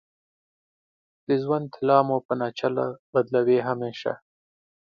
د ژوند طلا مو په ناچلو بدلوې همیشه